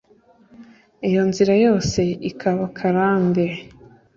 Iyo nzira yose ikaba akarande